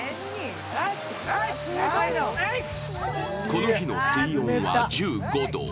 この日の水温は１５度。